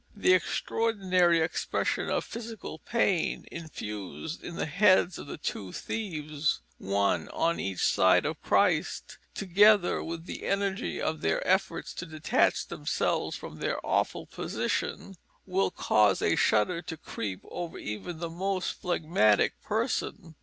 The extraordinary expression of physical pain infused into the heads of the two thieves, one on each side of Christ, together with the energy of their efforts to detach themselves from their awful position, will cause a shudder to creep over even the most phlegmatic person.